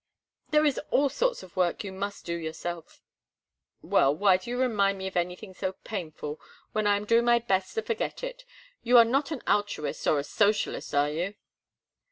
There is all sorts of work you must do yourself." "Well, why do you remind me of anything so painful, when I am doing my best to forget it? You are not an altruist or a socialist, are you?"